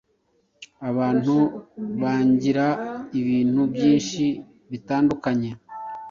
Abantu baangira ibintu byinhi bitandukanye